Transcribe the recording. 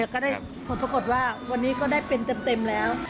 ก็ได้ผลปรากฏว่าวันนี้ก็ได้เป็นเต็มแล้ว